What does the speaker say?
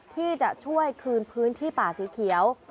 ที่จะช่วยคืนพื้นที่ป่าสีเขียว